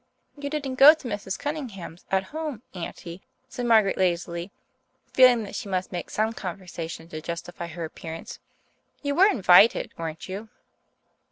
"You didn't go to Mrs. Cunningham's 'at home,' Auntie," said Margaret lazily, feeling that she must make some conversation to justify her appearance. "You were invited, weren't you?"